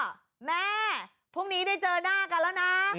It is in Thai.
แม่พรุ่งนี้ได้เจอหน้ากันแล้วนะ